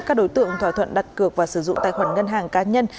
các đối tượng thỏa thuận đặt cược và sử dụng tài khoản ngân hàng cá nhân